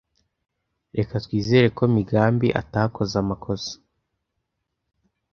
Reka twizere ko Migambi atakoze amakosa.